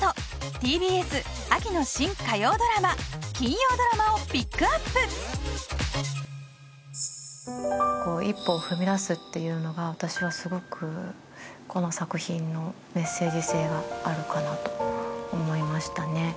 ＴＢＳ秋の新火曜ドラマ金曜ドラマをピックアップ一歩を踏み出すっていうのが私はすごくこの作品のメッセージ性があるかなと思いましたね